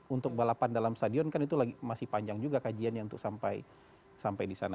untuk balapan dalam stadion kan itu masih panjang juga kajiannya untuk sampai di sana